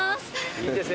いいですね